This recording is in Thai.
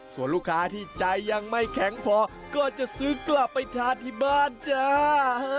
ส่วนลูกค้าที่ใจยังไม่แข็งพอก็จะซื้อกลับไปทานที่บ้านจ้า